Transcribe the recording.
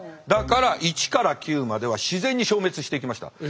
だから１から９までは自然に消滅していきました。